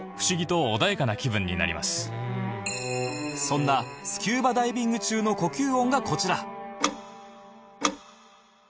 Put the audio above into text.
そんなスキューバダイビング中の呼吸音がこちら